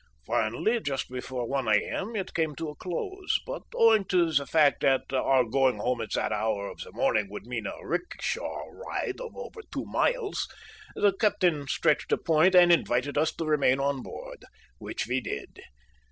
Finally, just before 1 A.M., it came to a close, but, owing to the fact that our going home at that hour of the morning would mean a rikisha ride of over two miles, the Captain stretched a point and invited us to remain on board, which we did.